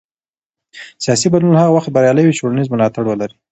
سیاسي بدلون هغه وخت بریالی وي چې ټولنیز ملاتړ ولري